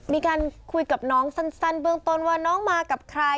มีการคุยกับน้องสั้นเบื้องต้นว่าน้องมากับใคร